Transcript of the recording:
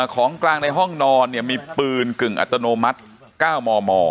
ของกลางในห้องนอนมีปืนกึ่งอัตโนมัติ๙มม